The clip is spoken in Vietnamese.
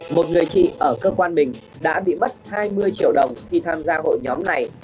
một người chị ở cơ quan mình đã bị bắt hai mươi triệu đồng khi tham gia hội nhóm này